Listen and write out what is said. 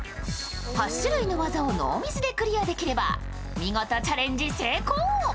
８種類の技をノーミスでクリアできれば見事チャレンジ成功。